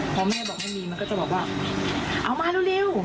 พอแม่บอกไม่มีมันก็จะบอกว่าเอามาเร็ว